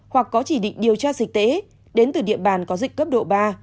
hoặc có chỉ định điều tra dịch tễ đến từ địa bàn có dịch cấp độ ba